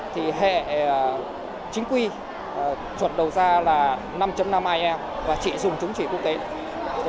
thì hệ chính quy chuẩn đầu ra là năm năm ielts và chỉ dùng chứng chỉ quốc tế